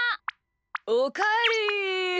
おかえり。